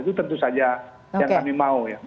itu tentu saja yang kami mau ya